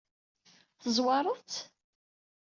Tezwareḍ-tt?